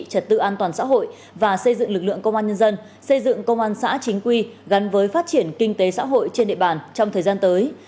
trật tự an toàn xã hội và xây dựng lực lượng công an nhân dân xây dựng công an xã chính quy gắn với phát triển kinh tế xã hội trên địa bàn trong thời gian tới